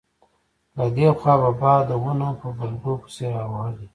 له دې خوا به باد د ونو په بلګو پسې راوهلې.